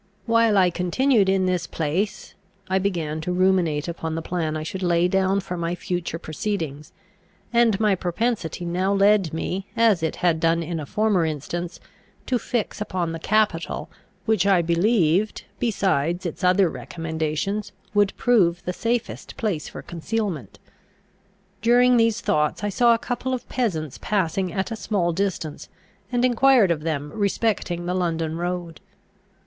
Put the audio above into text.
While I continued in this place, I began to ruminate upon the plan I should lay down for my future proceedings; and my propensity now led me, as it had done in a former instance, to fix upon the capital, which I believed, besides its other recommendations, would prove the safest place for concealment. During these thoughts I saw a couple of peasants passing at a small distance, and enquired of them respecting the London road.